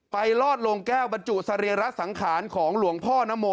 ลอดโลงแก้วบรรจุสรีระสังขารของหลวงพ่อนโม